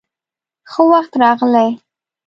_ښه وخت راغلې.